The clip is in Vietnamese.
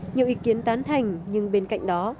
nhiều ý kiến tán thành nhưng bên cạnh đó